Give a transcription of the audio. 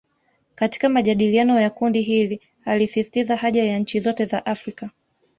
Katika majadiliano ya kundi hili alisisitiza haja ya nchi zote za Afrika